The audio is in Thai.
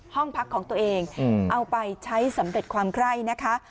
ห้องพักของตัวเองเอาไปใช้สำเร็จความไคร้นะคะ